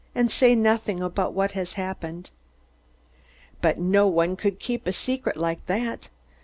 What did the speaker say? "And say nothing about what has happened." But no one could keep a secret like that.